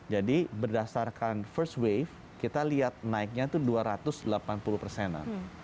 jadi berdasarkan first wave kita lihat naiknya itu dua ratus delapan puluh persenan